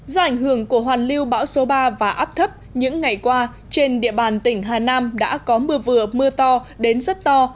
do ảnh hưởng của hoàn lưu bão số ba và áp thấp những ngày qua trên địa bàn tỉnh hà nam đã có mưa vừa mưa to đến rất to